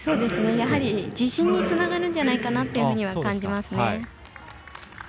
やはり自信につながるんじゃないかなとは感じますね。